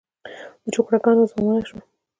د چوکره ګانو زمانه شوه.